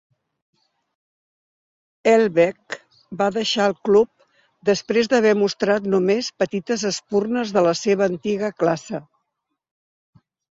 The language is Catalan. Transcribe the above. Helveg va deixar el club, després d'haver mostrat només petites espurnes de la seva antiga classe.